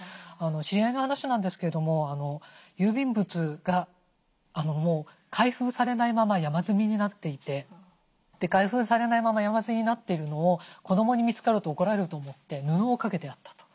知り合いの話なんですけども郵便物が開封されないまま山積みになっていて開封されないまま山積みになっているのを子どもに見つかると怒られると思って布をかけてあったと。